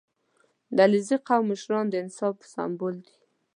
• د علیزي قوم مشران د انصاف سمبول دي.